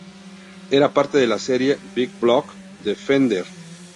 Era parte de la serie "Big Block" de Fender.